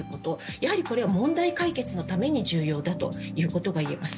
やはりこれは問題解決のために重要だということがいえます。